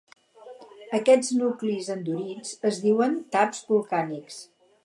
Aquests nuclis endurits es diuen taps volcànics.